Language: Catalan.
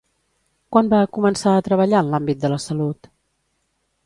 Quan va començar a treballar en l'àmbit de la salut?